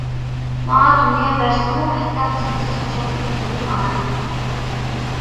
ماڭا دۇنيا بەرسىمۇ ھەتتا، سەنسىز خۇشال كۈلمىدىم ئانا.